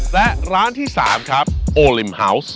และร้านที่๓ครับโอลิมฮาวส์